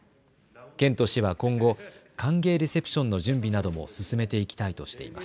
県と市は今後歓迎レセプションの準備なども進めていきたいとしています。